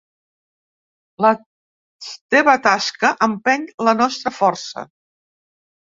La teva tasca empeny la nostra força.